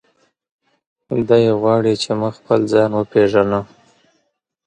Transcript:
دی غواړي چې موږ خپل ځان وپیژنو.